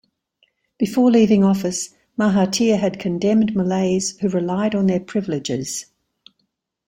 Before leaving office, Mahathir had condemned Malays who relied on their privileges.